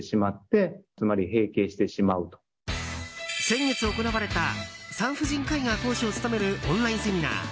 先月行われた産婦人科医が講師を務めるオンラインセミナー。